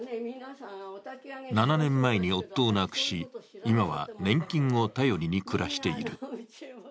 ７年前に夫を亡くし今は年金を頼りに暮らしている。